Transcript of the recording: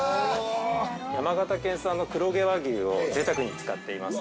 山形県産の黒毛和牛をぜいたくに使っています。